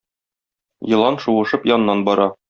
Елан шуышып яннан бара.